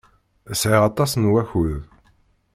Sɛiɣ aṭas n wakud.